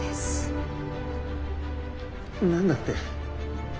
何だって？